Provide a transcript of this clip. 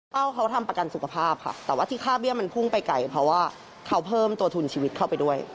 เขาทำประกันสุขภาพค่ะแต่ว่าที่ค่าเบี้ยมันพุ่งไปไกลเพราะว่าเขาเพิ่มตัวทุนชีวิตเข้าไปด้วย